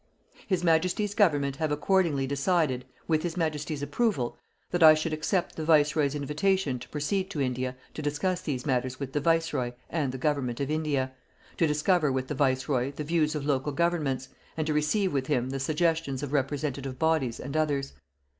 His Majesty's Government have accordingly decided, with His Majesty's approval, that I should accept the Viceroy's invitation to proceed to India to discuss these matters with the Viceroy and the Government of India, to consider with the Viceroy the views of local Governments, and to receive with him the suggestions of representative bodies and others.